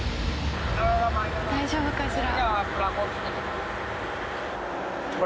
大丈夫かしら？